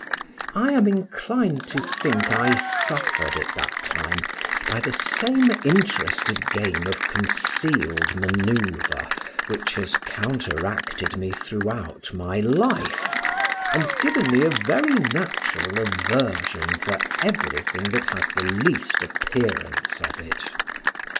I am inclined to think I suffered at that time by the same interested game of concealed manoeuvre, which has counteracted me throughout my life, and given me a very natural aversion for everything that has the least appearance of it.